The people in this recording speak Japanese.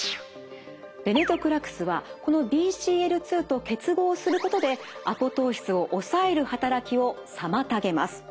ベネトクラクスはこのＢＣＬ２と結合することでアポトーシスを抑える働きを妨げます。